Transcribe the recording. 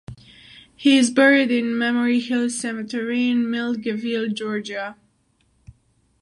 He is buried in Memory Hill Cemetery in Milledgeville, Georgia.